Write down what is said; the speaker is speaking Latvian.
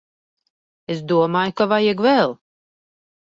Es domāju ka vajag vēl.